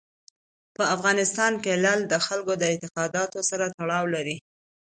په افغانستان کې لعل د خلکو د اعتقاداتو سره تړاو لري.